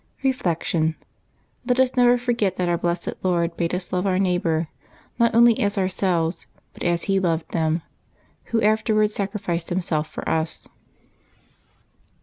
Reflection. — Let us never forget that our bleseed Lord bade us love our neighbor not only as ourselves, but as He loved us. Who afterwards sacrificed Himself for us.